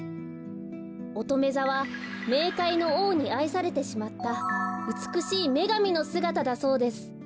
おとめざはめいかいのおうにあいされてしまったうつくしいめがみのすがただそうです。